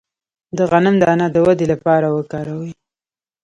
د غنم دانه د ودې لپاره وکاروئ